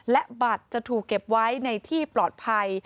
และบัตรจะถูกเก็บไว้ในที่ปลอดภัย